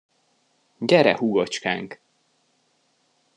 Gyere, húgocskánk!